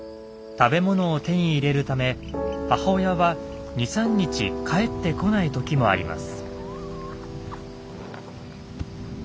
食べものを手に入れるため母親は２３日帰ってこない時もあります。